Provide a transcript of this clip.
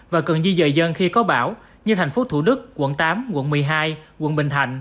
và cần di dời dân khi có bão như thành phố thủ đức quận tám quận một mươi hai quận bình thạnh